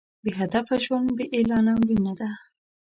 بې هدفه ژوند بې اعلانه مړینه ده.